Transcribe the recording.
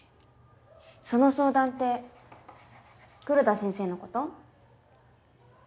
その相談って黒田先生のこと？